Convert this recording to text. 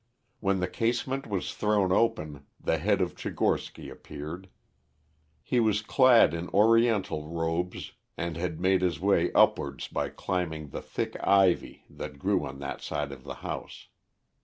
When the casement was thrown open, the head of Tchigorsky appeared. He was clad in Oriental robes and had made his way upwards by climbing the thick ivy that grew on that side of the house.